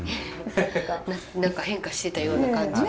何か変化してたような感じが。